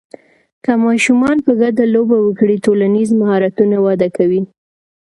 که ماشومان په ګډه لوبې وکړي، ټولنیز مهارتونه وده کوي.